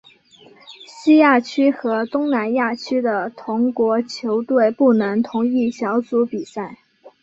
西亚区和东南亚区的同国球队不能同一小组比赛。